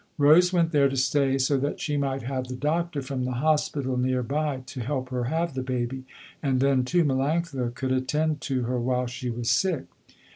Rose went there to stay, so that she might have the doctor from the hospital near by to help her have the baby, and then, too, Melanctha could attend to her while she was sick.